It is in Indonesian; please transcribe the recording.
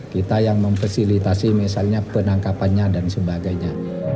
kita yang memfasilitasi misalnya penangkapannya dan sebagainya